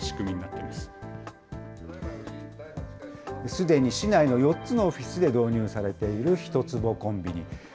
すでに市内の４つのオフィスで導入されているひと坪コンビニ。